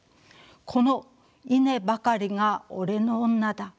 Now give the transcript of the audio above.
「このイネばかりが俺の女だ」。